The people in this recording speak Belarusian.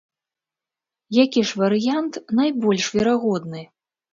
Які ж варыянт найбольш верагодны?